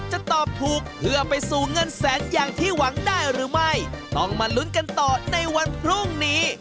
หวังได้หรือไม่ต้องมาลุ้นกันต่อในวันพรุ่งนี้